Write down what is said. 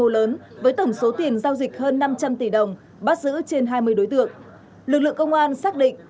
lớn với tổng số tiền giao dịch hơn năm trăm linh tỷ đồng bắt giữ trên hai mươi đối tượng lực lượng công an xác định